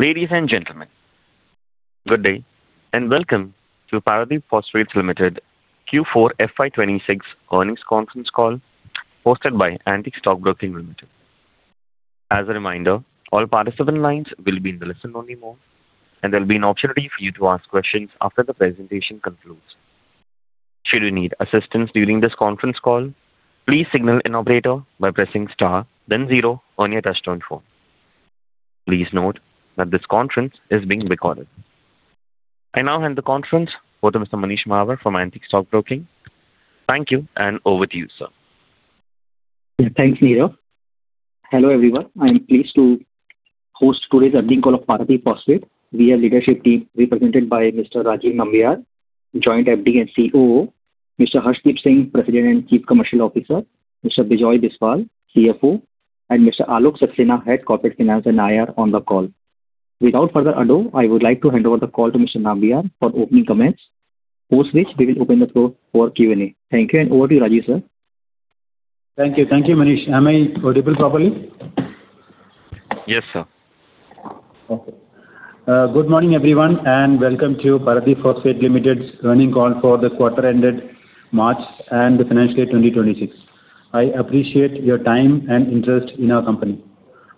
Ladies and gentlemen, good day, and welcome to Paradeep Phosphates Limited Q4 FY 2026 earnings conference call hosted by Antique Stock Broking Limited. As a reminder, all participant lines will be in the listen-only mode, and there'll be an opportunity for you to ask questions after the presentation concludes. Should you need assistance during this conference call, please signal an operator by pressing star then zero on your touchtone phone. Please note that this conference is being recorded. I now hand the conference over to Mr. Manish Mahawar from Antique Stock Broking. Thank you, and over to you, sir. Yeah. Thanks, Neeraj. Hello, everyone. I am pleased to host today's earnings call of Paradeep Phosphates. We have leadership team represented by Mr. Rajeev Nambiar, Joint MD and COO, Mr. Harshdeep Singh, President and Chief Commercial Officer, Mr. Bijoy Biswal, CFO, and Mr. Alok Saxena, Head Corporate Finance and IR on the call. Without further ado, I would like to hand over the call to Mr. Nambiar for opening comments. Post which, we will open the floor for Q&A. Thank you, over to you, Rajeev, sir. Thank you. Thank you, Manish. Am I audible properly? Yes, sir. Okay. Good morning, everyone, welcome to Paradeep Phosphates Limited's earnings call for the quarter ended March and the FY 2026. I appreciate your time and interest in our company.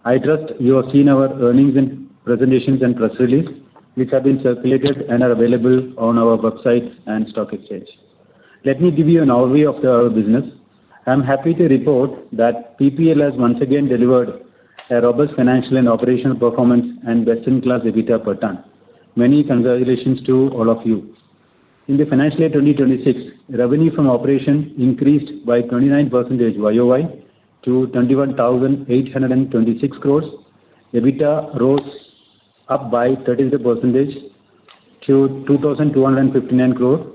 I trust you have seen our earnings and presentations and press release, which have been circulated and are available on our website and stock exchange. Let me give you an overview of our business. I'm happy to report that PPL has once again delivered a robust financial and operational performance and best-in-class EBITDA per ton. Many congratulations to all of you. In FY 2026, revenue from operation increased by 29% YOY to 21,826 crore. EBITDA rose up by 13% to 2,259 crore.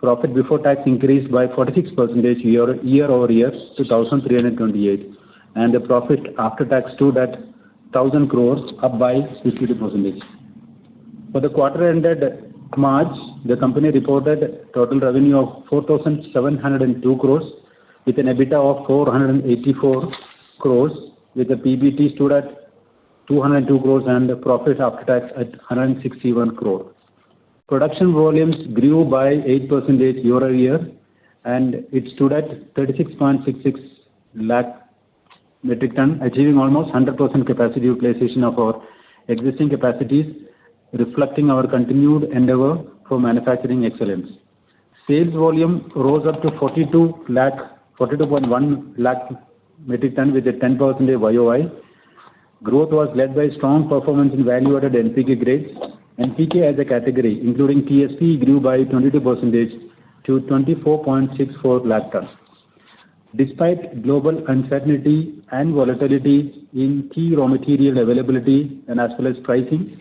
Profit before tax increased by 46% year-over-year to 1,328 crore, and the profit after tax stood at 1,000 crore, up by 52%. For the quarter ended March, the company reported total revenue of 4,702 crore with an EBITDA of 484 crore, with the PBT stood at 202 crore and the profit after tax at 161 crore. Production volumes grew by 8% year-over-year, and it stood at 36.66 lakh metric ton, achieving almost 100% capacity utilization of our existing capacities, reflecting our continued endeavor for manufacturing excellence. Sales volume rose up to 42.1 lakh metric ton with a 10% YOY. Growth was led by strong performance in value-added NPK grades. NPK as a category, including TSP, grew by 22% to 24.64 lakh tons. Despite global uncertainty and volatility in key raw material availability and as well as pricing,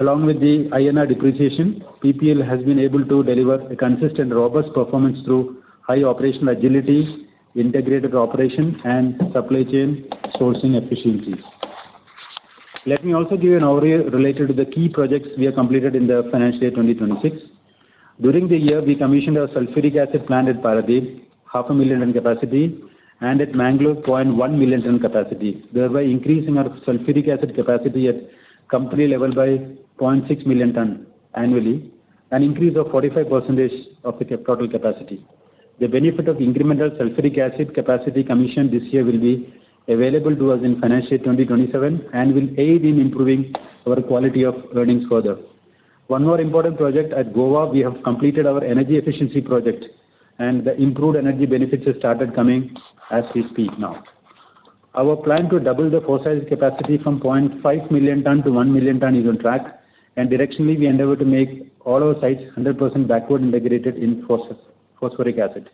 along with the INR depreciation, PPL has been able to deliver a consistent, robust performance through high operational agility, integrated operation, and supply chain sourcing efficiencies. Let me also give you an overview related to the key projects we have completed in FY 2026. During the year, we commissioned our sulfuric acid plant at Paradeep, half a million in capacity, and at Mangalore 0.1 million ton capacity, thereby increasing our sulfuric acid capacity at company level by 0.6 million ton annually, an increase of 45% of the total capacity. The benefit of incremental sulfuric acid capacity commissioned this year will be available to us in FY 2027 and will aid in improving our quality of earnings further. One more important project at Goa, we have completed our energy efficiency project, and the improved energy benefits have started coming as we speak now. Our plan to double the phosphate capacity from 0.5 million tons to 1 million tons is on track, and directionally we endeavor to make all our sites 100% backward integrated in phosphoric acid.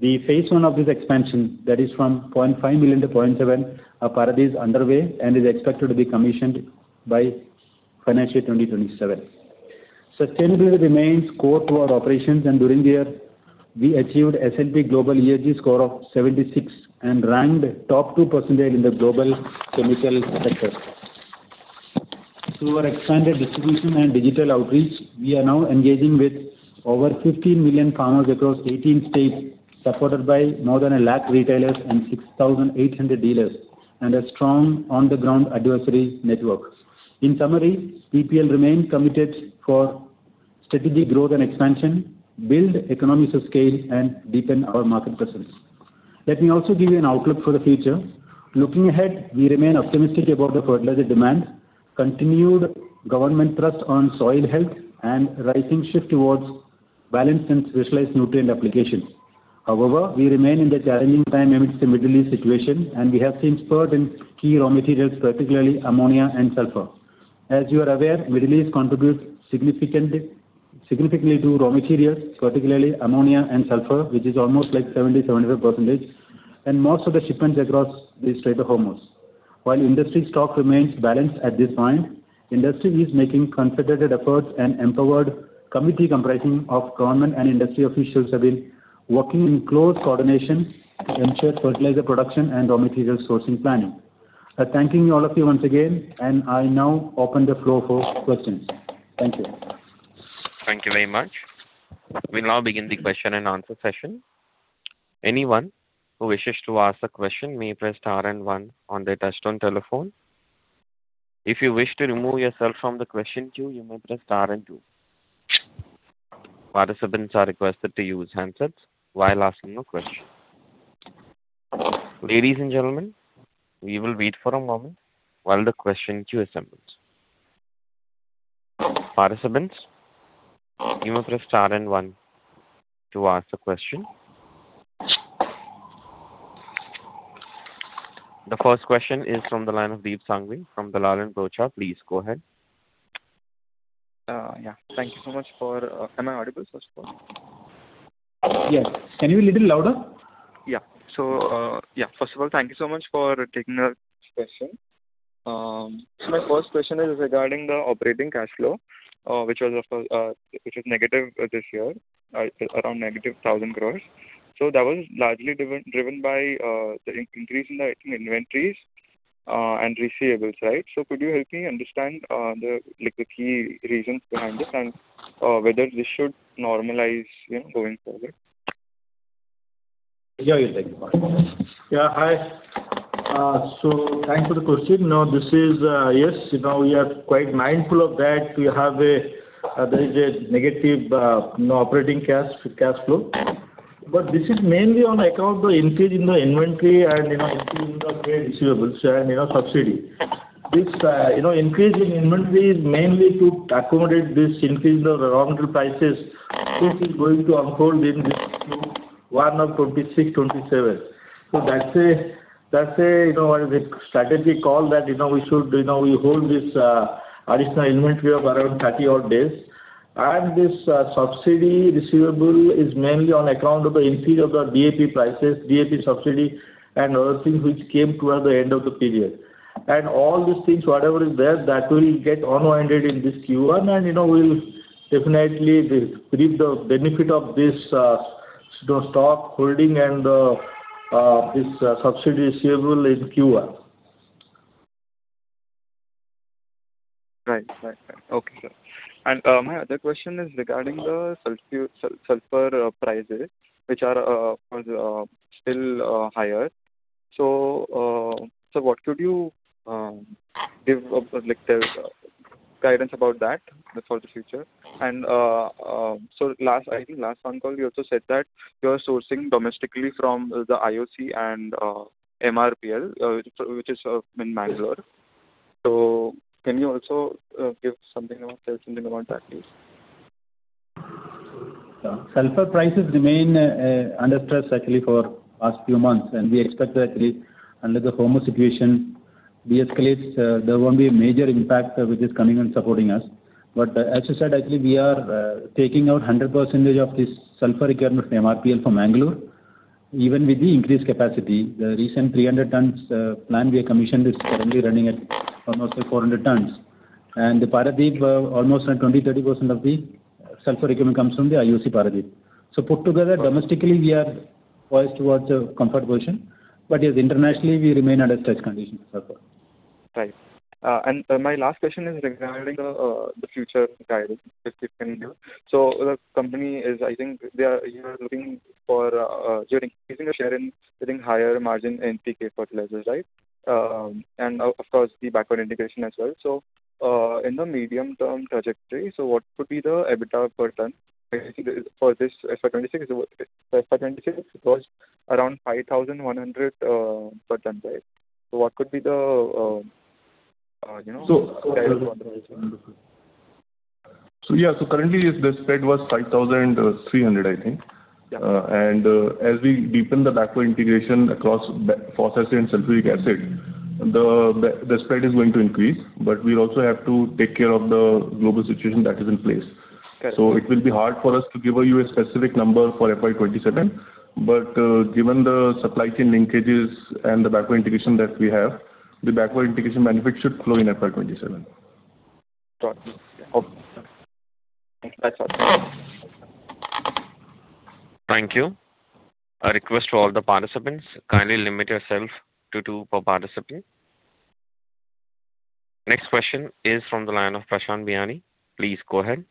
The Phase 1 of this expansion, that is from 0.5 million to 0.7 million of Paradeep is underway and is expected to be commissioned by FY 2027. Sustainability remains core to our operations, and during the year, we achieved S&P Global ESG score of 76 and ranked top 2% in the global chemical sector. Through our expanded distribution and digital outreach, we are now engaging with over 15 million farmers across 18 states, supported by more than one lakh retailers and 6,800 dealers and a strong on-the-ground advisory network. In summary, PPL remain committed for strategic growth and expansion, build economies of scale, and deepen our market presence. Let me also give you an outlook for the future. Looking ahead, we remain optimistic about the fertilizer demand, continued government thrust on soil health, and rising shift towards balanced and specialized nutrient applications. However, we remain in the challenging time amidst the Middle East situation, and we have seen spurt in key raw materials, particularly ammonia and sulfur. As you are aware, Middle East contributes significantly to raw materials, particularly ammonia and sulfur, which is almost like 70%-75%, and most of the shipments across this trade the Hormuz. While industry stock remains balanced at this point, industry is making concentrated efforts, empowered committee comprising of government and industry officials have been working in close coordination to ensure fertilizer production and raw material sourcing planning. Thanking all of you once again, I now open the floor for questions. Thank you. Thank you very much. We will now begin the question and answer session. Anyone who wishes to ask a question may press star and one on their touch tone telephone. If you wish to remove yourself from the question queue, you must press star and two. Participants are requested to use handsets while asking a question. Ladies and gentlemen, we will wait for a moment while the questioning queue assembles. The first question is from the line of Deep Sanghavi from Dalal & Broacha. Please go ahead. Yeah. Am I audible, first of all? Yes. Can you be a little louder? Yeah. Yeah, first of all, thank you so much for taking our question. My first question is regarding the operating cash flow, which was, which is negative this year, around negative 1,000 crore. That was largely driven by the increase in the inventories and receivables, right? Could you help me understand the, like, the key reasons behind this and whether this should normalize, you know, going forward? Yeah. You take it. Yeah. Hi. Thanks for the question. No, this is, Yes, you know, we are quite mindful of that. We have a, there is a negative, you know, operating cash flow. This is mainly on account of the increase in the inventory and, you know, increase in the trade receivables and, you know, subsidy. This, you know, increase in inventory is mainly to accommodate this increase in the raw material prices, which is going to unfold in this Q1 of FY 2026-2027. That's a, that's a, you know, a strategic call that, you know, we should, you know, we hold this additional inventory of around 30 odd days. This subsidy receivable is mainly on account of the increase of the DAP prices, DAP subsidy and other things which came toward the end of the period. All these things, whatever is there, that will get unwinded in this Q1, and you know, we'll definitely reap the benefit of this stock holding and this subsidy receivable in Q1. Right. Okay. My other question is regarding the sulfur prices, which are of course still higher. What could you give the guidance about that for the future? Last, I think last phone call you also said that you are sourcing domestically from the IOC and MRPL, which is in Mangalore. Can you also give something else in regard that, please? Yeah. Sulfur prices remain under stress actually for last few months. We expect that actually unless the Hormuz situation deescalates, there won't be a major impact which is coming and supporting us. As you said, actually we are taking out 100% of this sulfur requirement from MRPL from Mangalore. Even with the increased capacity, the recent 300 tons plan we have commissioned is currently running at almost, like, 400 tons. The Paradip, almost like 20%-30% of the sulfur requirement comes from the Indian Oil Corporation Paradip Refinery. Put together domestically we are poised towards a comfort position. Yes, internationally we remain under stress condition, sulfur. Right. My last question is regarding the future guidance, if you can give. You're increasing the share and getting higher margin NPK fertilizers, right? Of course, the backward integration as well. In the medium-term trajectory, what could be the EBITDA per ton? I think for FY 2026 it was around 5,100 per ton, right? What could be the, you know? So- guidance on that? Yeah. Currently the spread was 5,300, I think. Yeah. As we deepen the backward integration across phosphates and sulfuric acid, the spread is going to increase. We also have to take care of the global situation that is in place. Okay. It will be hard for us to give you a specific number for FY 2027. Given the supply chain linkages and the backward integration that we have, the backward integration benefit should flow in FY 2027. Got it. Okay. That's all. Thank you. A request to all the participants. Kindly limit yourself to two per participant. Next question is from the line of Prashant Bhayani. Please go ahead.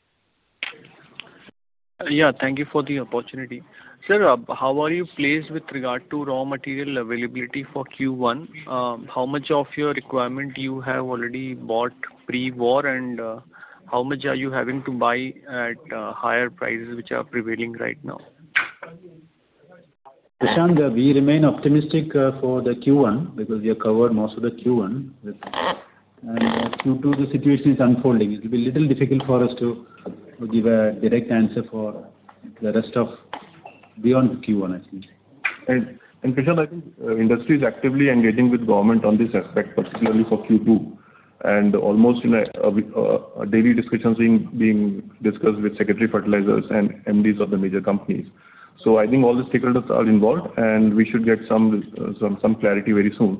Yeah. Thank you for the opportunity. Sir, how are you placed with regard to raw material availability for Q1? How much of your requirement you have already bought pre-war, and how much are you having to buy at higher prices which are prevailing right now? Prashant, we remain optimistic for the Q1 because we have covered most of the Q1 with. Q2, the situation is unfolding. It'll be a little difficult for us to give a direct answer for the rest of beyond Q1, I think. Prashant, I think, industry is actively engaging with government on this aspect, particularly for Q2. Almost, you know, daily discussions being discussed with Secretary of Fertilizers and MDs of the major companies. I think all the stakeholders are involved, and we should get some clarity very soon.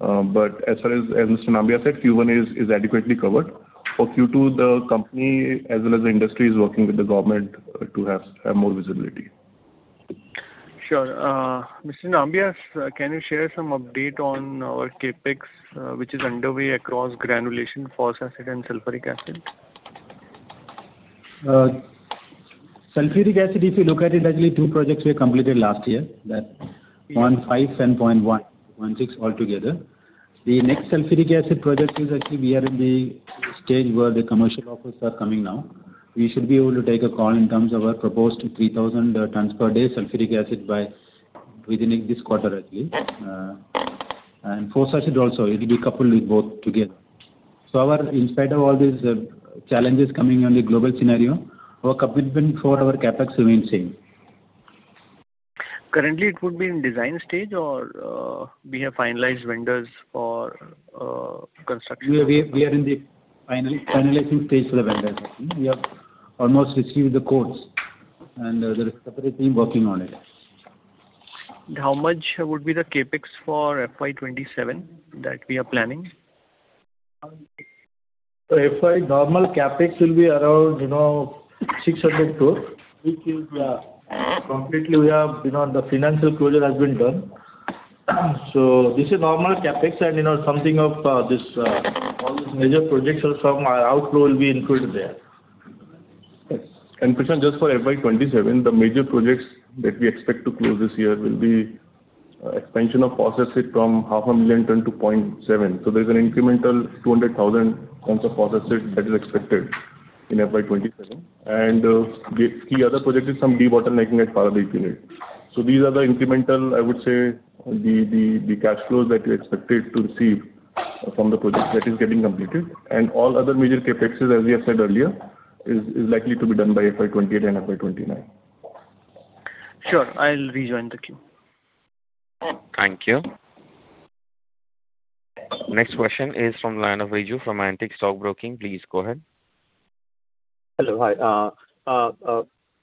As far as Mr. Nambiar said, Q1 is adequately covered. For Q2, the company as well as the industry is working with the government to have more visibility. Sure. Mr. Nambiar, can you share some update on our CapEx, which is underway across granulation, phosphoric acid and sulfuric acid? Sulfuric acid, if you look at it actually, two projects we completed last year. That 15, 10.1, 0.6 altogether. The next sulfuric acid project is actually we are in the stage where the commercial offers are coming now. We should be able to take a call in terms of our proposed 3,000 tons per day sulfuric acid by within this quarter actually. Phosphoric acid also, it will be coupled with both together. In spite of all these challenges coming on the global scenario, our commitment for our CapEx remains same. Currently, it would be in design stage or, we have finalized vendors for, construction. We are in the finalizing stage for the vendors. We have almost received the quotes and there is a separate team working on it. How much would be the CapEx for FY 2027 that we are planning? FY normal CapEx will be around, you know, 600 crores, which is, completely we have, you know, the financial closure has been done. This is normal CapEx and, you know, something of, this, all these major projects also some outflow will be included there. Yes. Prashant just for FY 2027, the major projects that we expect to close this year will be expansion of phosphoric from 0.5 million tons to 0.7. There is an incremental 200,000 tons of phosphoric that is expected in FY 2027. The key other project is some debottlenecking at Paradeep unit. These are the incremental, I would say the cash flows that we expected to receive from the project that is getting completed. All other major CapEx as we have said earlier, is likely to be done by FY 2028 and FY 2029. Sure. I'll rejoin the queue. Thank you. Next question is from Riju Dalui from Antique Stock Broking. Please go ahead. Hello. Hi.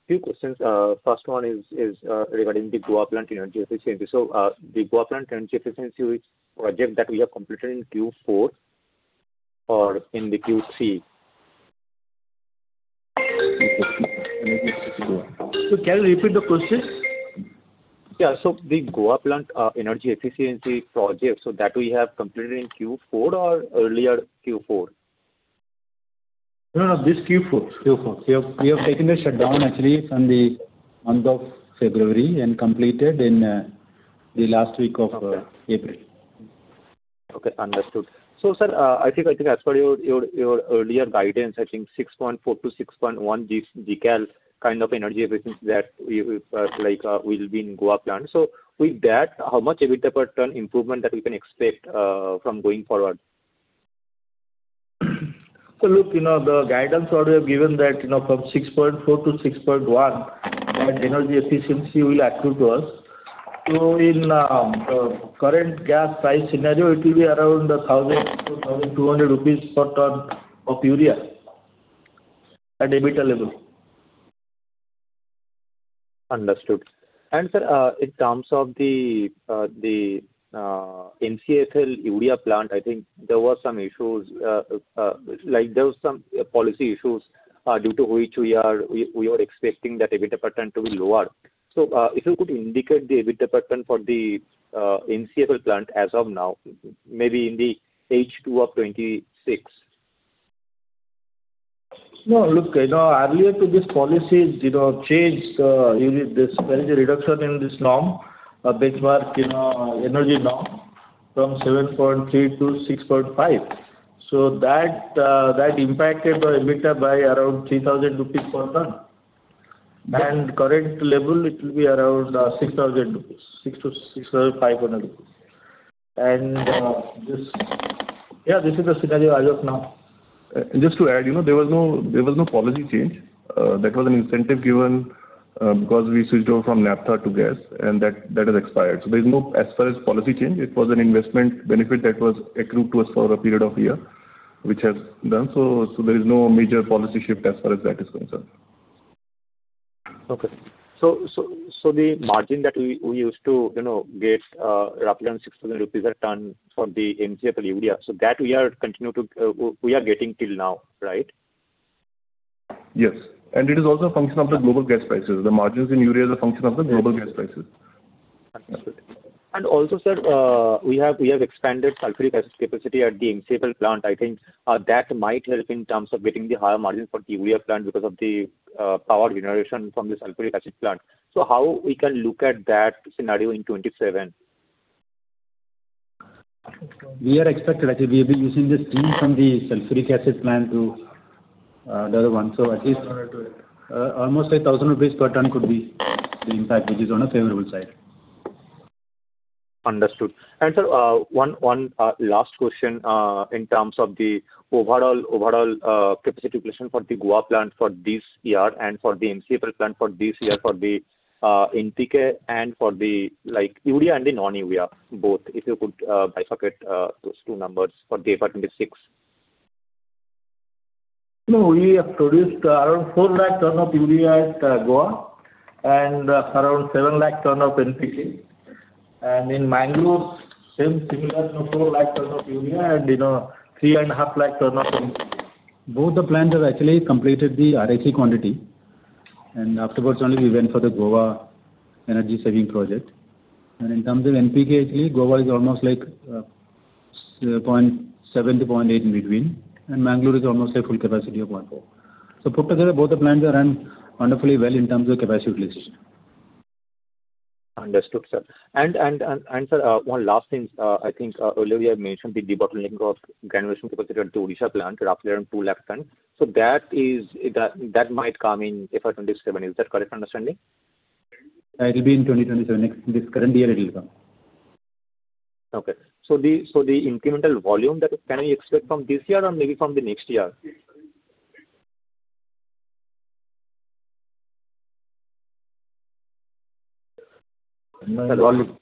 Few questions. First one is regarding the Goa plant energy efficiency. The Goa plant energy efficiency project that we have completed in Q4 or in the Q3? Can you repeat the question? Yeah. The Goa plant, energy efficiency project, so that we have completed in Q4 or earlier Q4? No, this Q4. Q4. We have taken the shutdown actually from the month of February and completed in the last week of April. Okay. Understood. Sir, I think as per your earlier guidance, I think 6.4-6.1 Gcal kind of energy efficiency that we would like will be in Goa plant. With that, how much EBITDA per ton improvement that we can expect from going forward? Look, you know, the guidance what we have given that, you know, from 6.4-6.1 that energy efficiency will accrue to us. In current gas price scenario, it will be around 1,000 to 1,200 rupees per ton of urea at EBITDA level. Understood. Sir, in terms of the MCFL urea plant, I think there were some issues, like there was some policy issues, due to which we were expecting that EBITDA per ton to be lower. If you could indicate the EBITDA per ton for the MCFL plant as of now, maybe in the H2 of 2026. No, look, you know, earlier to this policy, you know, changed, there is a reduction in this norm, a benchmark, you know, energy norm from 7.3-6.5. That, that impacted the EBITDA by around 3,000 rupees per ton. Current level it will be around, 6,000 rupees. 6,000-6,500 rupees. This Yeah, this is the scenario as of now. Just to add, you know, there was no policy change. That was an incentive given, because we switched over from naphtha to gas and that has expired. There is no as far as policy change, it was an investment benefit that was accrued to us for a period of a year which has done so. There is no major policy shift as far as that is concerned. The margin that we used to, you know, get roughly around 6,000 rupees a ton from the MCFL urea. That we are getting till now, right? Yes. It is also a function of the global gas prices. The margins in urea is a function of the global gas prices. Understood. Also sir, we have expanded sulfuric acid capacity at the MCFL plant. I think that might help in terms of getting the higher margin for the urea plant because of the power generation from the sulfuric acid plant. How we can look at that scenario in 2027? We are expected actually we have been using the steam from the sulfuric acid plant to the other one. At least, almost 1,000 per ton could be the impact which is on a favorable side. Understood. Sir, one last question, in terms of the overall capacity utilization for the Goa plant for this year and for the MCFL plant for this year, for the NPK and for the like urea and the non-urea both. If you could bifurcate those two numbers for the year 2026? No, we have produced around four lakh ton of urea at Goa and around seven lakh ton of NPK. In Mangalore, same similar, you know, four lakh ton of urea and, you know, three and a half lakh ton of NPK. Both the plants have actually completed the RAC quantity. Afterwards only we went for the Goa energy saving project. In terms of NPK, actually, Goa is almost like 0.7-0.8 in between, and Mangalore is almost a full capacity of 1.4. Put together, both the plants are run wonderfully well in terms of capacity utilization. Understood, sir. Sir, and one last thing. I think earlier you had mentioned the bottlenecking of granulation capacity at the Odisha plant, roughly around two lakh ton. That might come in FY 2027. Is that correct understanding? It'll be in 2027. This current year it will come. Okay. The incremental volume that Can we expect from this year or maybe from the next year? The volume-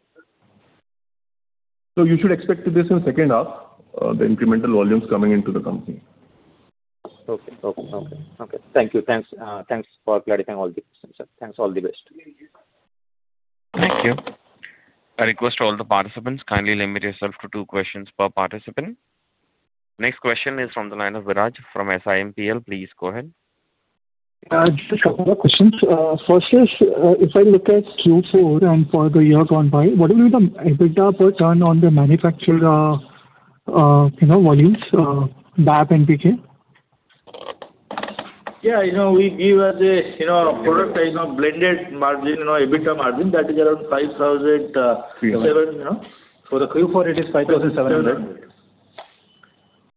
You should expect this in second half, the incremental volumes coming into the company. Okay. Thank you. Thanks for clarifying all the questions, sir. Thanks. All the best. Thank you. A request to all the participants. Kindly limit yourself to two questions per participant. Next question is from the line of Viraj from SiMPL. Please go ahead. Just a couple of questions. First is, if I look at Q4 and for the year gone by, what will be the EBITDA per ton on the manufactured, you know, volumes, DAP, NPK? Yeah, you know, we give as a, you know, product, you know, blended margin, you know, EBITDA margin that is around 5,007, you know. For the Q4 it is 5,700. INR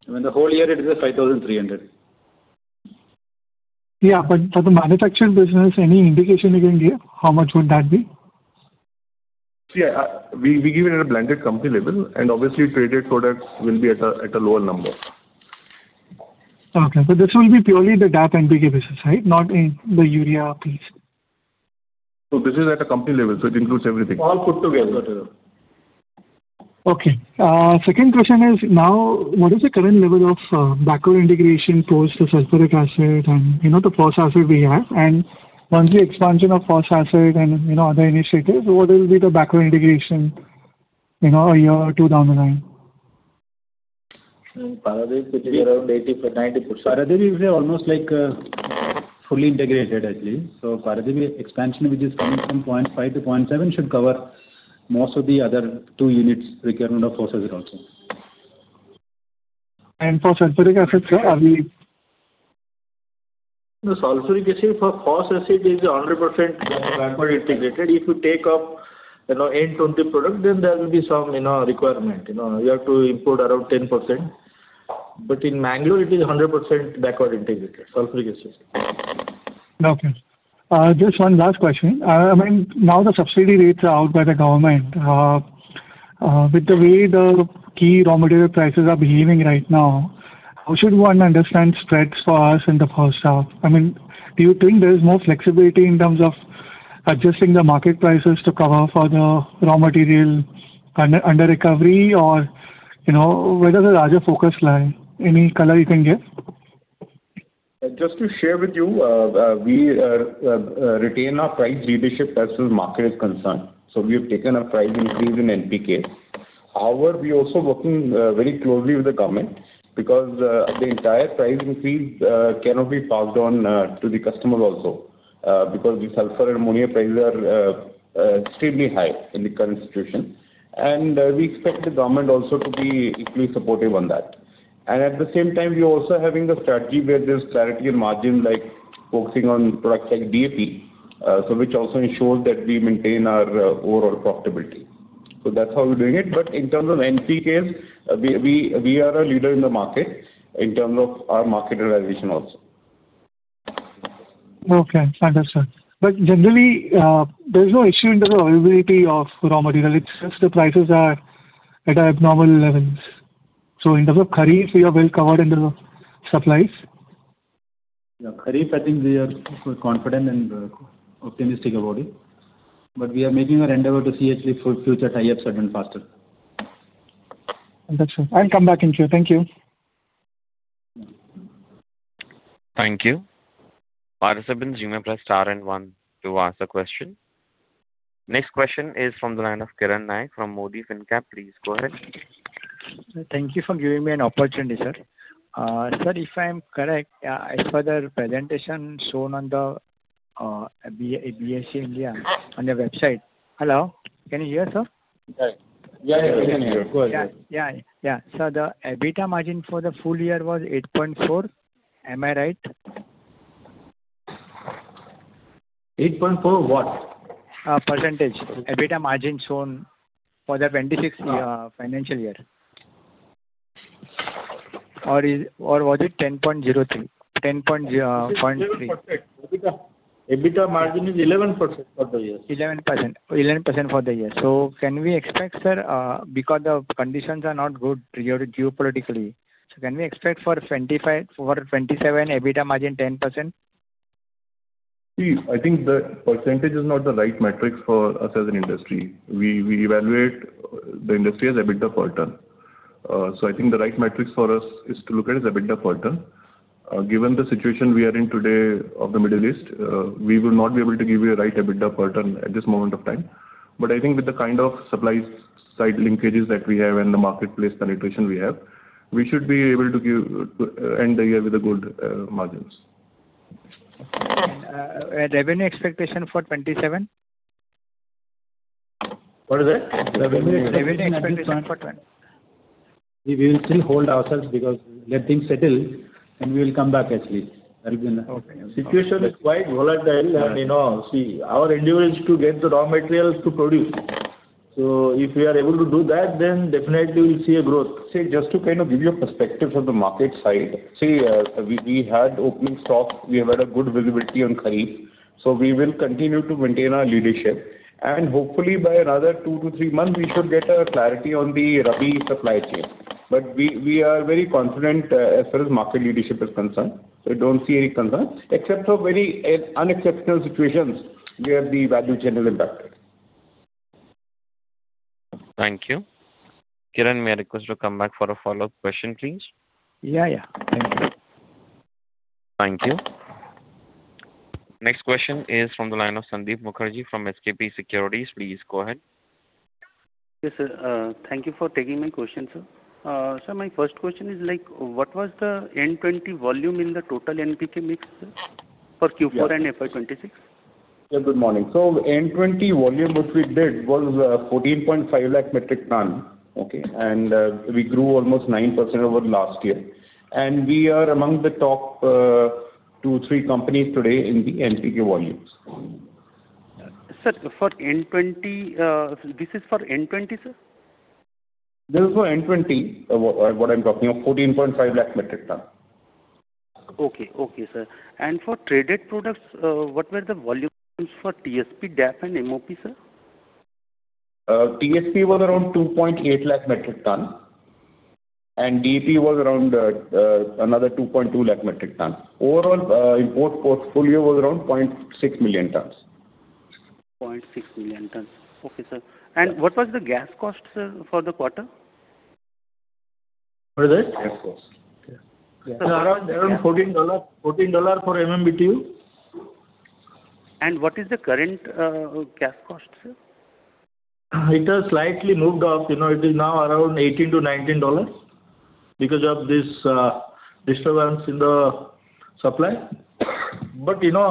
700. The whole year it is 5,300. Yeah, for the manufactured business, any indication you can give? How much would that be? Yeah, we give it at a blended company level, and obviously traded products will be at a lower number. Okay, this will be purely the DAP, NPK business, right? Not in the urea piece. This is at a company level, so it includes everything. All put together. Okay. Second question is, now what is the current level of backward integration post the sulfuric acid and, you know, the phos acid we have? Once the expansion of phos acid and, you know, other initiatives, what will be the backward integration, you know, a year or two down the line? Paradeep it is around 80%-90%. Paradeep is almost like, fully integrated actually. Paradeep expansion, which is coming from 0.5-0.7 should cover most of the other two units' requirement of phos acid also. For sulfuric acid, sir, are we. The sulfuric acid for phos acid is 100% backward integrated. If you take up, you know, N-20 product, then there will be some, you know, requirement. You know, you have to import around 10%. In Mangalore it is 100% backward integrated, sulfuric acid. Okay. Just one last question. Now the subsidy rates are out by the government. With the way the key raw material prices are behaving right now, how should one understand spreads for us in the phos stuff? I mean, do you think there is more flexibility in terms of adjusting the market prices to cover for the raw material under recovery or where does the larger focus lie? Any color you can give? Just to share with you, we retain our price leadership as far as market is concerned, so we have taken a price increase in NPK. However, we're also working very closely with the government because the entire price increase cannot be passed on to the customer also because the sulfur and ammonia prices are extremely high in the current situation. We expect the government also to be equally supportive on that. At the same time, we are also having a strategy where there's clarity in margin, like focusing on products like DAP, so which also ensures that we maintain our overall profitability. That's how we're doing it. In terms of NPKs, we are a leader in the market in terms of our market realization also. Okay, understood. Generally, there's no issue in terms of availability of raw material. It's just the prices are at abnormal levels. In terms of kharif, we are well covered in terms of supplies? Yeah. Kharif, I think we are confident and optimistic about it. We are making our endeavor to see actually for future tie-ups happen faster. Understood. I'll come back in queue. Thank you. Thank you. Next question is from the line of Kiran Naik from Modi Fincap. Please go ahead. Sir, thank you for giving me an opportunity, sir. Sir, if I'm correct, as per the presentation shown on the BSE India, on their website. Hello, can you hear, sir? Yes. Yeah, yeah, we can hear. Go ahead. Yeah. Yeah. Sir, the EBITDA margin for the full year was 8.4%. Am I right? 8.4 what? Percentage. Okay. EBITDA margin shown for the 2026 financial year. Or was it 10.03%? 10.3%. It's 11% EBITDA. EBITDA margin is 11% for the year. 11%. 11% for the year. Can we expect, sir, because the conditions are not good geo, geopolitically, so can we expect for 2027 EBITDA margin 10%? See, I think the percentage is not the right metric for us as an industry. We evaluate the industry as EBITDA per ton. So I think the right metric for us is to look at is EBITDA per ton. Given the situation we are in today of the Middle East, we will not be able to give you a right EBITDA per ton at this moment of time. I think with the kind of supply-side linkages that we have and the marketplace penetration we have, we should be able to give, end the year with the good margins. Revenue expectation for 2027? What is it? Revenue expectation for 2027. We will still hold ourselves because let things settle, and we will come back actually. That will be nice. Okay. Situation is quite volatile and, you know, see, our endeavor is to get the raw materials to produce. If we are able to do that, then definitely we'll see a growth. See, just to kind of give you a perspective from the market side. See, we had opening stock. We have had a good visibility on kharif, so we will continue to maintain our leadership. Hopefully by another two to three months we should get a clarity on the rabi supply chain. We are very confident as far as market leadership is concerned. We don't see any concerns except for very unexceptional situations where the value chain is impacted. Thank you. Kiran, may I request you to come back for a follow-up question, please? Yeah, yeah. Thank you. Thank you. Next question is from the line of Sandeep Mukherjee from SKP Securities. Please go ahead. Yes, sir. Thank you for taking my question, sir. Sir, my first question is like what was the N-20 volume in the total NPK mix, sir, for Q4 and FY 2026? Yeah. Good morning. N-20 volume which we did was 14.5 lakh metric ton. Okay? We grew almost 9% over last year. We are among the top two, three companies today in the NPK volumes. Sir, for N-20, this is for N-20, sir? This is for N-20, what I'm talking of, 14.5 lakh metric ton. Okay. Okay, sir. For traded products, what were the volumes for TSP, DAP and MOP, sir? TSP was around 2.8 lakh metric tons and DAP was around another 2.2 lakh metric tons. Overall, import portfolio was around 0.6 million tons. 0.6 million tons. Okay, sir. What was the gas cost, sir, for the quarter? What is it? Gas cost. Yeah. Around $14 per MMBtu. What is the current gas cost, sir? It has slightly moved up. You know, it is now around $18-$19 because of this disturbance in the supply. You know,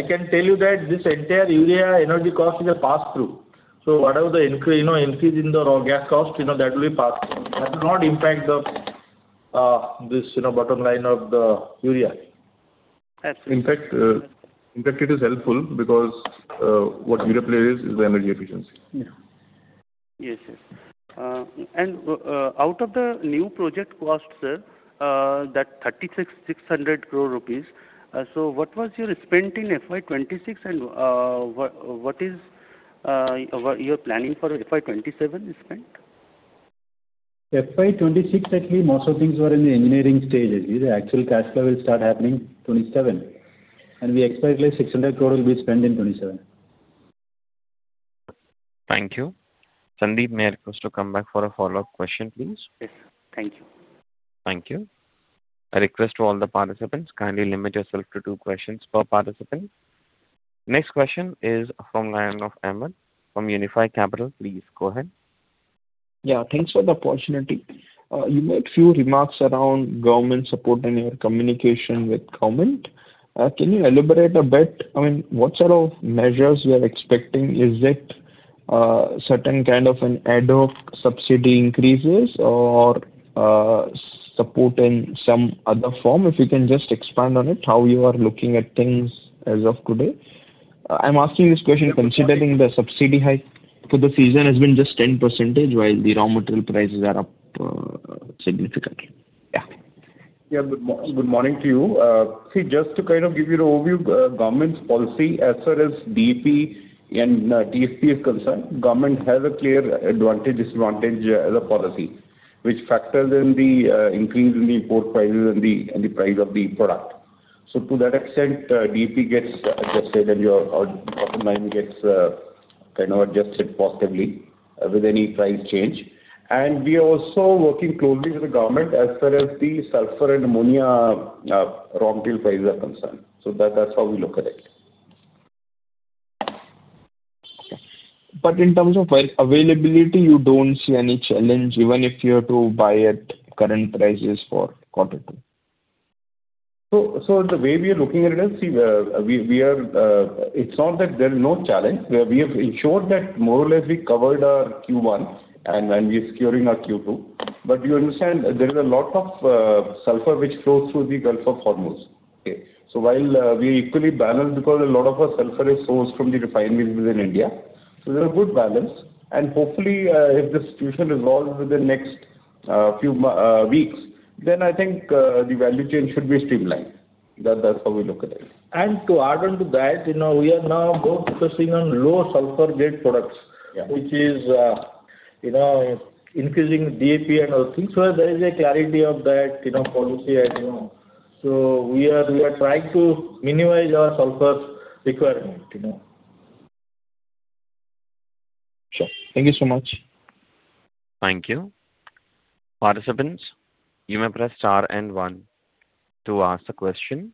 I can tell you that this entire urea energy cost is a pass-through. Whatever the increase in the raw gas cost, you know, that will be passed through. That will not impact the, you know, bottom line of the urea. Absolutely. In fact, it is helpful because, what urea plays is the energy efficiency. Yes, yes. Out of the new project cost, sir, that 36,600 crore rupees, so what was your spend in FY 2026 and what is your planning for FY 2027 spend? FY 2026 actually most of things were in the engineering stage. The actual cash flow will start happening 2027, and we expect like 600 crore will be spent in 2027. Thank you. Sandeep, may I request you to come back for a follow-up question, please? Yes. Thank you. Thank you. A request to all the participants, kindly limit yourself to two questions per participant. Next question is from line of Ahmed from Unifi Capital. Please go ahead. Yeah. Thanks for the opportunity. You made few remarks around government support and your communication with government. Can you elaborate a bit? I mean, what sort of measures you are expecting? Is it certain kind of an ad hoc subsidy increases or support in some other form? If you can just expand on it, how you are looking at things as of today. I'm asking this question considering the subsidy hike for the season has been just 10%, while the raw material prices are up significantly. Yeah. Good morning to you. See, just to kind of give you the overview, government's policy as far as DAP and TSP is concerned, government has a clear advantage, disadvantage as a policy, which factors in the increase in the import prices and the price of the product. To that extent, DAP gets adjusted and your bottom line gets kind of adjusted positively with any price change. We are also working closely with the government as far as the sulfur and ammonia raw material prices are concerned. That's how we look at it. In terms of availability, you don't see any challenge even if you have to buy at current prices for quarter two? The way we are looking at it is, it's not that there's no challenge. We have ensured that more or less we covered our Q1 and we are securing our Q2. You understand there is a lot of sulfur which flows through the Strait of Hormuz. While we equally balanced because a lot of our sulfur is sourced from the refineries within India, so there is a good balance. Hopefully, if the situation resolves within next few weeks, then I think the value chain should be streamlined. That's how we look at it. To add on to that, you know, we are now more focusing on low sulfur grade products. Yeah. Which is, you know, increasing DAP and other things where there is a clarity of that, you know, policy item. We are trying to minimize our sulfur requirement, you know. Sure. Thank you so much. Thank you. Participants, you may press star and one to ask a question.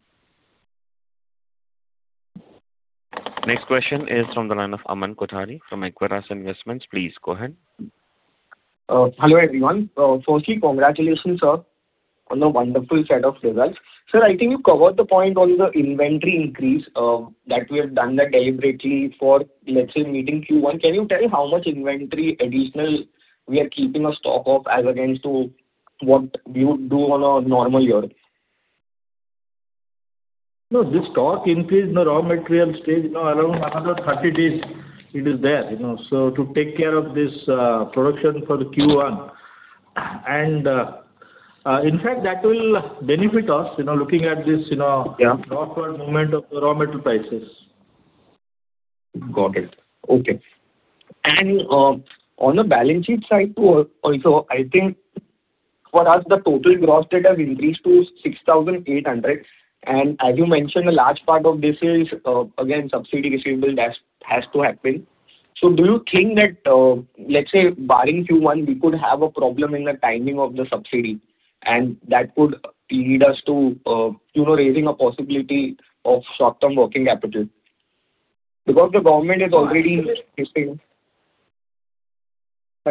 Next question is from the line of Aman Kothari from Equirus Investments. Please go ahead. Hello, everyone. Firstly, congratulations, sir, on the wonderful set of results. Sir, I think you covered the point on the inventory increase, that we have done that deliberately for, let's say, meeting Q1. Can you tell me how much inventory additional we are keeping a stock of as against to what you do on a normal year? No, the stock increase in the raw material stage, you know, around 130 days it is there, you know. To take care of this, production for the Q1 and, in fact that will benefit us, you know, looking at this, you know. Yeah. Short term movement of the raw material prices. Got it. Okay. On the balance sheet side to also, I think for us the total gross debt has increased to 6,800, and as you mentioned, a large part of this is again, subsidy receivable that has to happen. Do you think that, let's say barring Q1, we could have a problem in the timing of the subsidy and that could lead us to, you know, raising a possibility of short-term working capital? Because the government is already stating.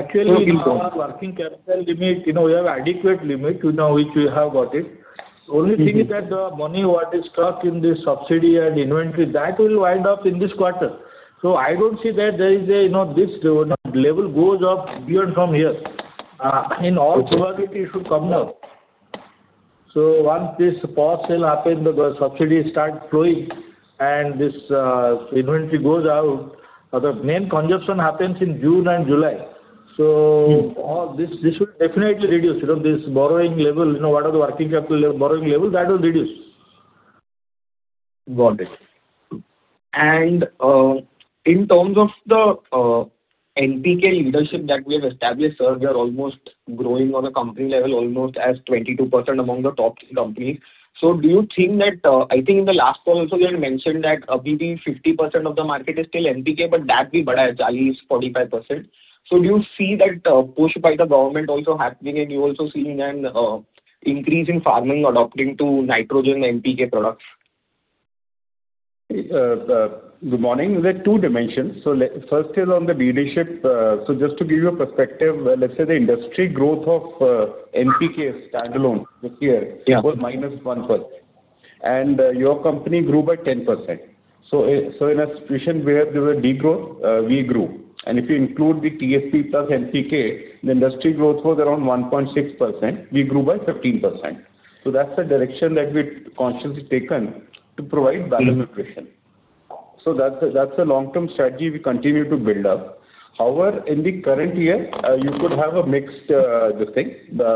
Actually- Okay. Our working capital limit, you know, we have adequate limit, you know, which we have got it. Only thing is that the money what is stuck in this subsidy and inventory, that will wind up in this quarter. I don't see that there is a, you know, this, you know, level goes up beyond from here. In all probability it should come down. So, once this phos sale happen, the subsidy start flowing and this inventory goes out. The main consumption happens in June and July. All this will definitely reduce, you know, this borrowing level, you know, what are the working capital borrowing level, that will reduce. Got it. In terms of the NPK leadership that we have established, sir, we are almost growing on a company level almost as 22% among the top companies. Do you think that, I think in the last call also you had mentioned that, maybe 50% of the market is still NPK. Do you see that push by the government also happening and you also seeing an increase in farming adopting to nitrogen NPK products? Good morning. There are two dimensions. First is on the leadership. Just to give you a perspective, let's say the industry growth of NPK standalone this year. Yeah. it was -1%. Your company grew by 10%. In a situation where there were degrowth, we grew. If you include the TSP plus NPK, the industry growth was around 1.6%, we grew by 15%. So that's the direction that we've consciously taken to provide balanced nutrition. That's a long-term strategy we continue to build up. However, in the current year, you could have a mixed this thing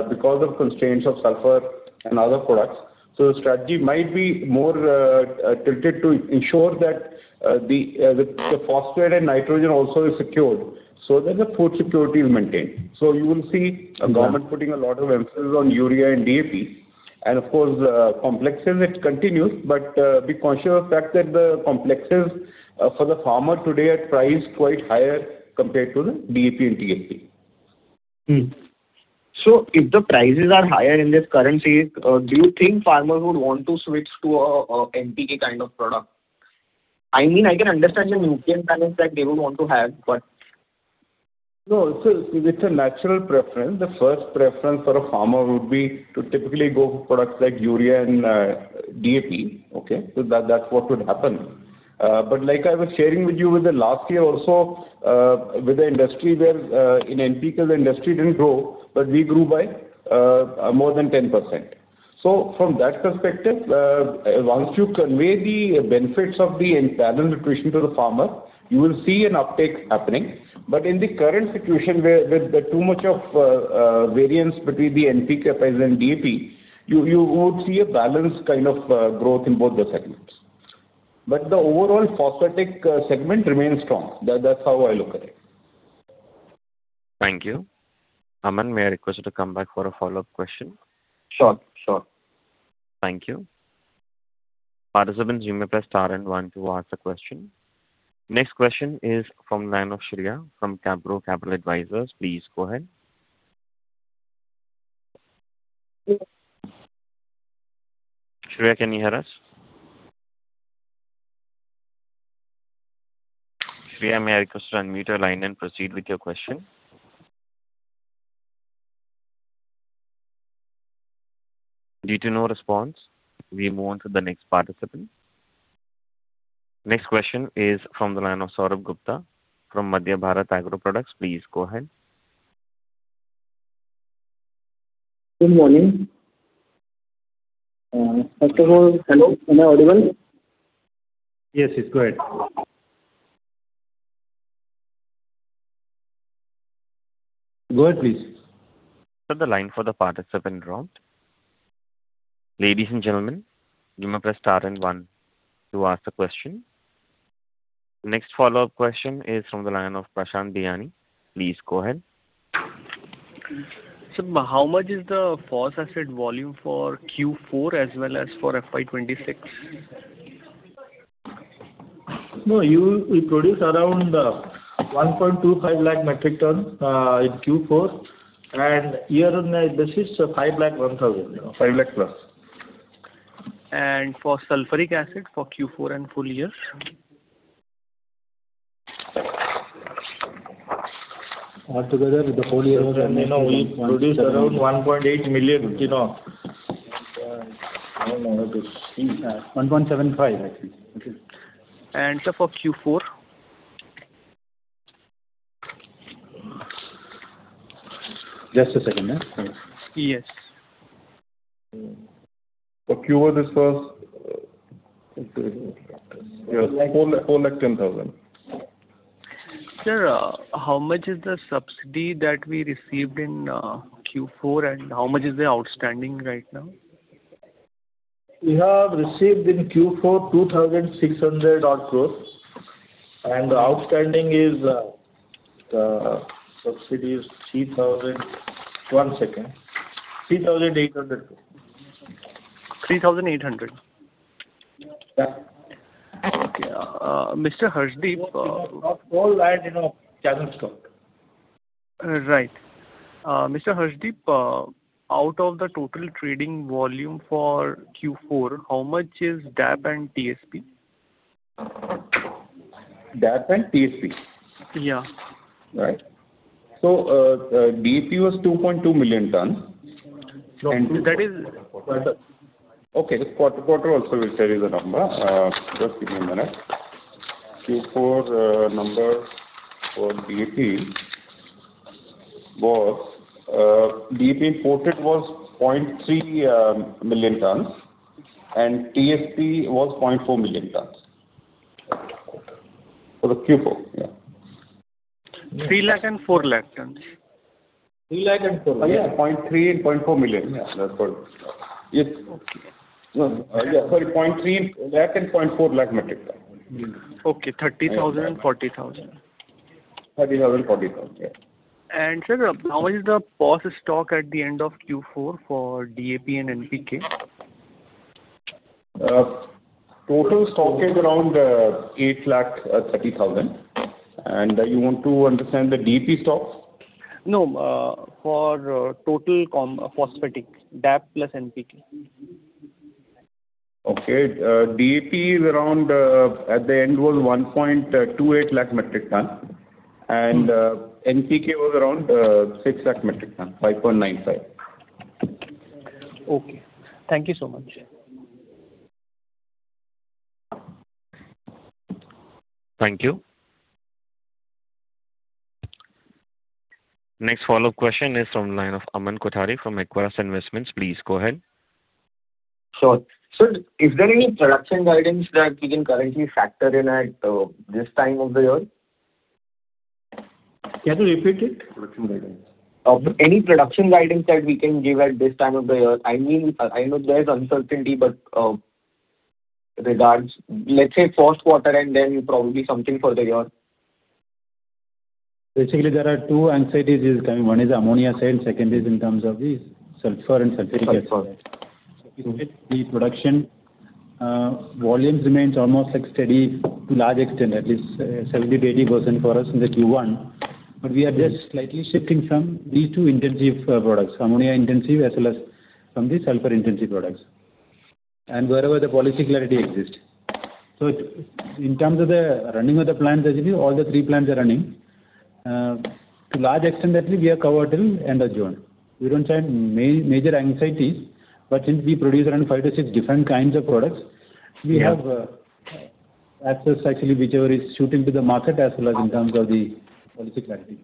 because of constraints of sulfur and other products. The strategy might be more tilted to ensure that the phosphate and nitrogen also is secured so that the food security is maintained. Yeah. The government putting a lot of emphasis on urea and DAP. Of course, complexes it continues, but be conscious of the fact that the complexes for the farmer today at price quite higher compared to the DAP and TSP. If the prices are higher in this currency, do you think farmers would want to switch to a NPK kind of product? I mean, I can understand the nutrient balance that they would want to have. No, it's a natural preference. The first preference for a farmer would be to typically go for products like urea and DAP. Okay. That's what would happen. Like I was sharing with you with the last year also, with the industry where, in NPK the industry didn't grow, we grew by more than 10%. From that perspective, once you convey the benefits of the balanced nutrition to the farmer, you will see an uptake happening. In the current situation where there's too much of variance between the NPK prices and DAP, you would see a balanced kind of growth in both the segments. The overall phosphatic segment remains strong. That's how I look at it. Thank you. Aman, may I request you to come back for a follow-up question? Sure. Sure. Thank you. Participants, you may press star and one to ask a question. Next question is from line of Shreya from CapGrow Capital Advisors. Please go ahead. Shreya, can you hear us? Shreya, may I request you to unmute your line and proceed with your question? Due to no response, we move on to the next participant. Next question is from the line of Sourabh Gupta from Madhya Bharat Agro Products Limited. Please go ahead. Good morning. First of all, hello. Am I audible? Yes, yes, go ahead. Go ahead, please. Next follow-up question is from the line of Prashant Bhayani. Please go ahead. Sir, how much is the phos acid volume for Q4 as well as for FY 2026? No, we produce around 1.25 lakh metric ton in Q4. Year-on-year basis, 501,000. INR 5 lakh plus. For sulfuric acid for Q4 and full year? Altogether, the whole year, you know, we produce around 1.8 million, you know. I don't know what to. 1.75 million actually. For Q4? Just a second. Yes. For Q4 this was Yes, 410,000. Sir, how much is the subsidy that we received in Q4 and how much is the outstanding right now? We have received in Q4 2,600 odd crores. The outstanding subsidy is 3,800 crores. 3,800? Yeah. Okay. Mr. Harshdeep. Of all that, you know, channel stock. Right. Mr. Harshdeep, out of the total trading volume for Q4, how much is DAP and TSP? DAP and TSP? Yeah. Right. DAP was 2.2 million tons. That is- Okay. Quarter-quarter also will tell you the number. Just give me a minute. Q4 number for DAP was DAP imported was 0.3 million tons and TSP was 0.4 million tons for the Q4. 3 lakh tons and 4 lakh tons. 3 lakh and 4 lakh. Yeah, 0.3 million and INR 0.4 million. Yeah, that's what. Yes. No, yeah, sorry, 0.3 lakh and 0.4 lakh metric ton. Okay, 30,000, 40,000. INR 30,000, INR 40,000. Yeah. Sir, how is the POS stock at the end of Q4 for DAP and NPK? Total stock is around 8,30,000. You want to understand the DAP stocks? No, for total phosphatic, DAP plus NPK. Okay. DAP is around at the end was 1.28 lakh metric ton. NPK was around 6 lakh metric ton, 5.95 lakh metric ton. Okay. Thank you so much. Thank you. Next follow-up question is from line of Aman Kothari from Equirus Investments. Please go ahead. Sure. Sir, is there any production guidance that we can currently factor in at this time of the year? Can you repeat it? Production guidance. Any production guidance that we can give at this time of the year? I mean, I know there's uncertainty, regards, let's say first quarter and then probably something for the year. Basically, there are two anxieties is coming. One is ammonia side, second is in terms of the sulfur and sulfuric acid. Sulfur. The production volumes remains almost like steady to large extent, at least 70% to 80% for us in the Q1. We are just slightly shifting from these two intensive products, ammonia intensive as well as from the sulfur intensive products, and wherever the policy clarity exists. In terms of the running of the plant, basically all the three plants are running. To large extent, that we are covered till end of June. We don't have major anxieties, but since we produce around five to six different kinds of products. Yeah. We have access actually whichever is suiting to the market as well as in terms of the policy clarity.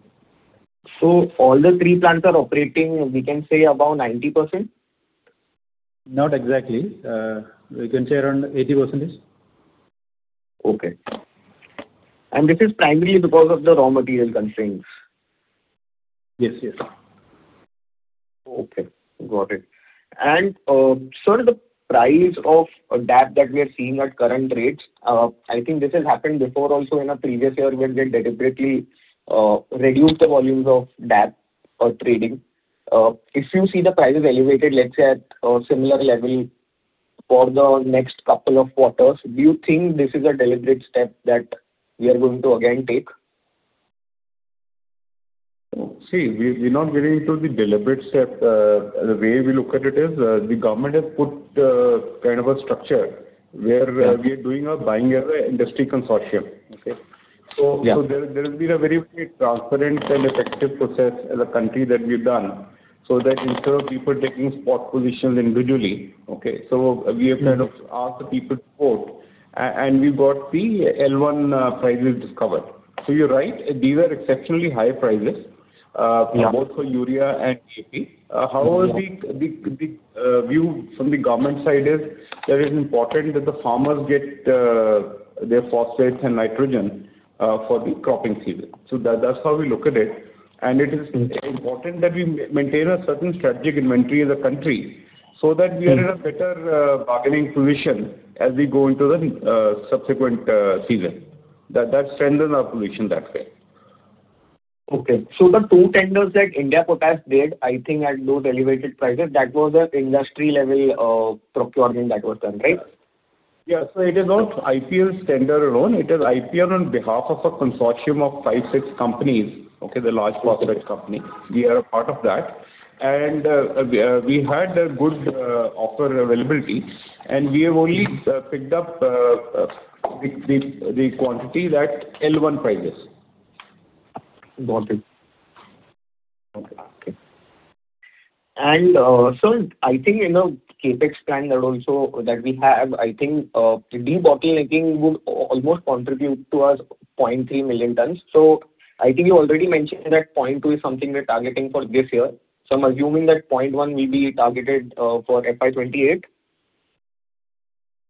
All the three plants are operating, we can say above 90%? Not exactly. We can say around 80%. Okay. This is primarily because of the raw material constraints? Yes, yes. Okay, got it. Sir, the price of DAP that we are seeing at current rates, I think this has happened before also in a previous year where they deliberately reduced the volumes of DAP trading. If you see the prices elevated, let's say at a similar level for the next couple of quarters, do you think this is a deliberate step that we are going to again take? See, we're not getting into the deliberate step. The way we look at it is, the government has put a kind of a structure. Yeah. We are doing a buying as an industry consortium. Okay? Yeah. There has been a very, very transparent and effective process as a country that we've done, so that instead of people taking spot positions individually, okay, we have kind of asked the people to quote. And we got the L1 prices discovered. You're right, these are exceptionally high prices. Yeah. Both for urea and DAP. Yeah. However, the view from the government side is that it's important that the farmers get their phosphates and nitrogen for the cropping season. That's how we look at it. It is important that we maintain a certain strategic inventory as a country so that we are in a better bargaining position as we go into the subsequent season. That strengthens our position that way. Okay. The two tenders that India Potash did, I think at those elevated prices, that was the industry level procurement that was done, right? Yeah. It is not IPL tender alone. It is IPL on behalf of a consortium of five, six companies, okay? The large corporate company. We are a part of that. We had a good offer availability, and we have only picked up the quantity that L1 prices bought it. Okay. I think in the CapEx plan that also, that we have, I think, debottlenecking would almost contribute to us 0.3 million tons. I think you already mentioned that 0.2 million tons is something we're targeting for this year. I'm assuming that 0.1 million tons will be targeted for FY 2028.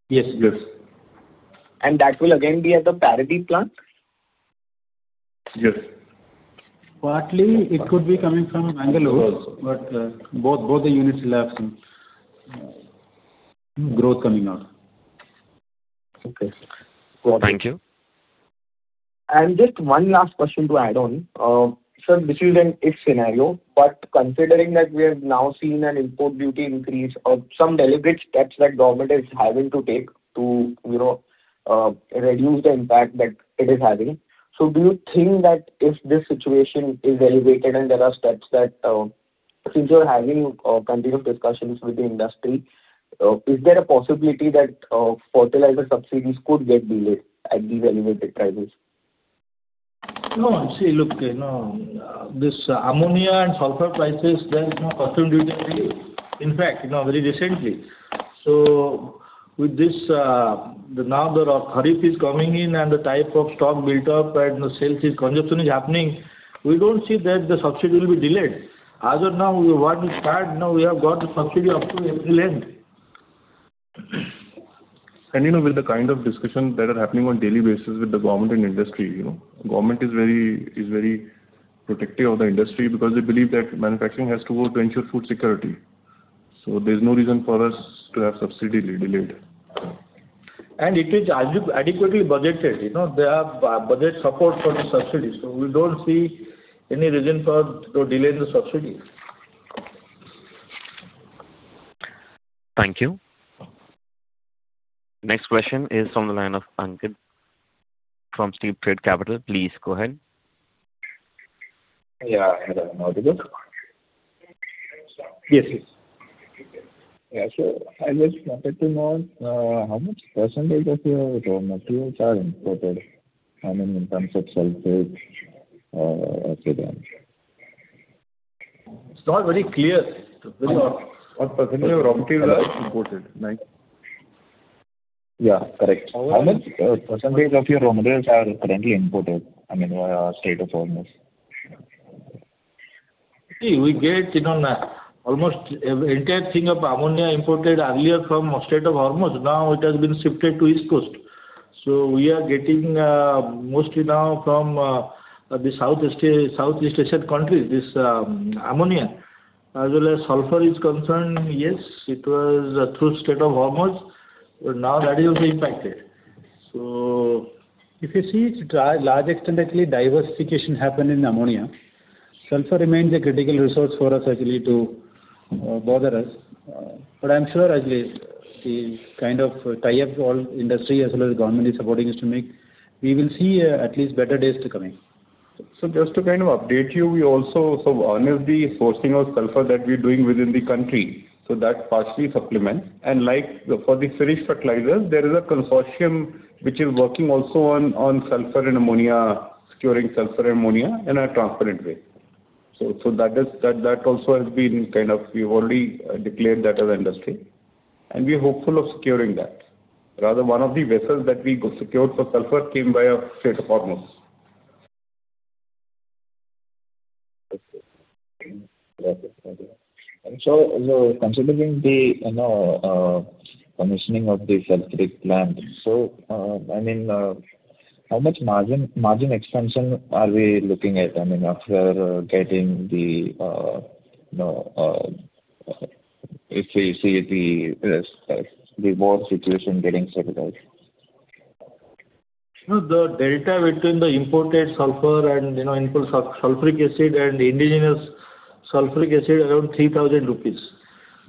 Yes. That will again be at the Paradeep plant? Yes. Partly it could be coming from Mangalore. Both the units will have some growth coming out. Okay. Got it. Thank you. Just one last question to add on. sir, this is an if scenario, but considering that we have now seen an import duty increase of some deliberate steps that government is having to take to, you know, reduce the impact that it is having. Do you think that if this situation is elevated and there are steps that, since you're having continued discussions with the industry, is there a possibility that fertilizer subsidies could get delayed at these elevated prices? No. See, look, you know, this ammonia and sulfur prices, they have not continued. In fact, you know, very recently. With this, now the kharif is coming in and the type of stock built up and consumption is happening. We don't see that the subsidy will be delayed. As of now, what we start now, we have got the subsidy up to April end. You know, with the kind of discussions that are happening on daily basis with the government and industry, you know, government is very protective of the industry because they believe that manufacturing has to go to ensure food security. There's no reason for us to have subsidy delayed. It is adequately budgeted. You know, there are budget support for the subsidy. We don't see any reason for, to delay the subsidy. Thank you. Next question is from the line of Ankit from Steptrade Capital. Please go ahead. Yeah. I don't know if it is. Yes, yes. Yeah. I just wanted to know how much percentage of your raw materials are imported, I mean, in terms of sulfates, etc. It's not very clear. What percentage of raw materials are imported? Like- Yeah, correct. How much percentage of your raw materials are currently imported, I mean, via Strait of Hormuz? See, we get, you know, almost entire thing of ammonia imported earlier from Strait of Hormuz. Now it has been shifted to East Coast. We are getting mostly now from the South East Asian countries, this ammonia. As well as sulfur is concerned, yes, it was through Strait of Hormuz, but now that will be impacted. If you see, it's large extent, actually diversification happened in ammonia. Sulfur remains a critical resource for us actually to bother us. I'm sure actually the kind of tie-up all industry as well as government is supporting us to make, we will see at least better days to coming. Just to kind of update you, we also sort of domestically sourcing our sulfur that we're doing within the country. That partially supplements. Like for the finished fertilizers, there is a consortium which is working also on sulfur and ammonia, securing sulfur and ammonia in a transparent way. That is, that also has been kind of we've already declared that as industry, and we are hopeful of securing that. Rather one of the vessels that we secured for sulfur came via Strait of Hormuz. Okay. Got it. Thank you. Considering the, you know, commissioning of the sulfuric plant, how much margin expansion are we looking at? After getting the, you know, if we see the war situation getting settled out. You know, the delta between the imported sulfur and, you know, import sulfuric acid and indigenous sulfuric acid around 3,000 rupees.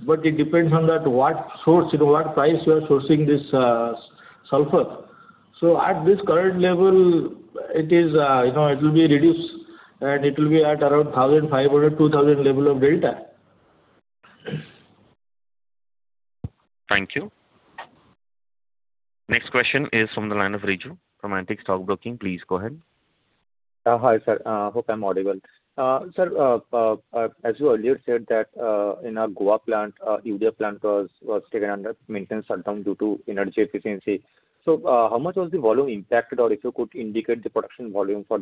It depends on that what source, you know, what price we are sourcing this sulfur. At this current level, it is, you know, it will be reduced, and it will be at around 1,500-2,000 level of delta. Thank you. Next question is from the line of Riju from Antique Stock Broking. Please go ahead. Hi, sir. Hope I'm audible. Sir, as you earlier said that in our Goa plant, urea plant was taken under maintenance shutdown due to energy efficiency. How much was the volume impacted? Or if you could indicate the production volume for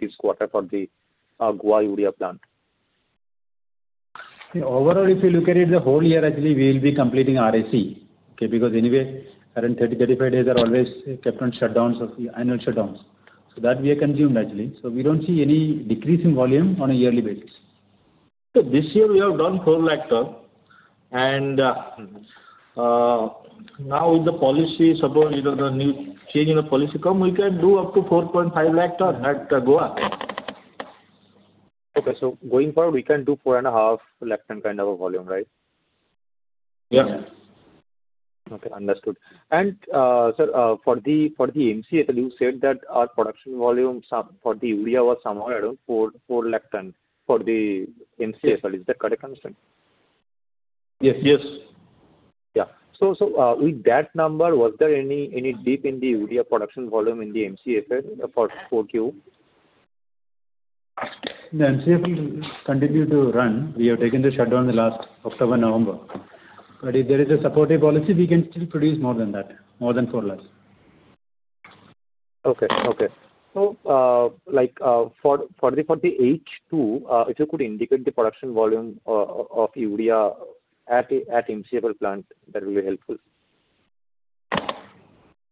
this quarter for the Goa urea plant. Overall, if you look at it, the whole year actually we will be completing RAC. Okay, because anyway around 30 days to 35 days are always kept on shutdowns of the annual shutdowns. That we have consumed actually. We don't see any decrease in volume on a yearly basis. This year we have done 4 lakh ton. Now with the policy support, you know, the new change in the policy come, we can do up to 4.5 lakh ton at Goa. Okay. Going forward, we can do 4.5 lakh ton kind of a volume, right? Yeah. Okay, understood. Sir, for the MCFL, you said that our production volume for the urea was somewhere around 4 lakh ton for the MCFL. Is that correct understanding? Yes, yes. Yeah. with that number, was there any dip in the urea production volume in the MCFL for 4Q? The MCFL continued to run. We have taken the shutdown the last October, November. If there is a supportive policy, we can still produce more than that, more than 4 lakhs. Okay. For the H2, if you could indicate the production volume of urea at MCFL plant, that will be helpful.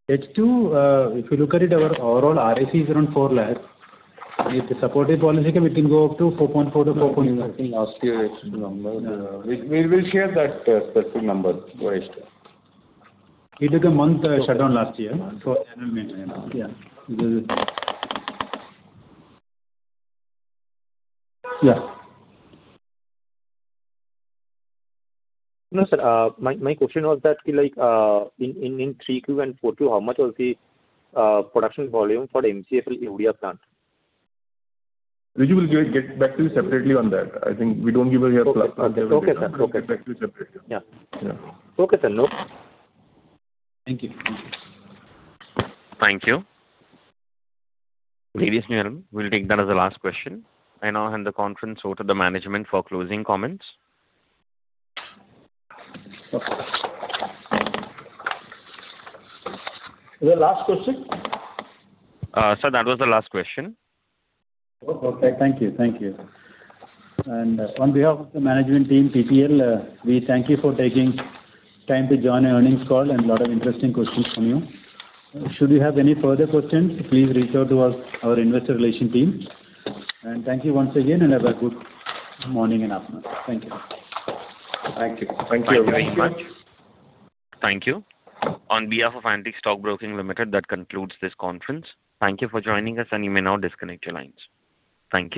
H2, if you look at it, our overall RAC is around 4 lakhs. With the supportive policy, we can go up to 4.4 lakhs-4.5 lakhs. Last year H2 number. We will share that specific number wise. We took a month, shutdown last year for annual maintenance. Yeah. Yeah. No, sir. My question was that like, in 3Q and 4Q, how much was the production volume for MCFL urea plant? Riju will get back to you separately on that. I think we don't give it here. Okay. Okay, sir. Okay. We'll get back to you separately. Yeah. Yeah. Okay, sir. Note. Thank you. Thank you. Ladies and gentlemen, we'll take that as the last question. I now hand the conference over to the management for closing comments. Is that last question? Sir, that was the last question. Oh, okay. Thank you. Thank you. On behalf of the management team PPL, we thank you for taking time to join our earnings call and a lot of interesting questions from you. Should you have any further questions, please reach out to our investor relation team. Thank you once again, and have a good morning and afternoon. Thank you. Thank you. Thank you very much. Thank you. On behalf of Antique Stock Broking Limited, that concludes this conference. Thank you for joining us, and you may now disconnect your lines. Thank you.